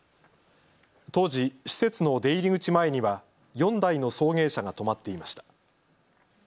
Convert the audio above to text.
当時、施設の出入り口前には４台の送迎車が止まっていました。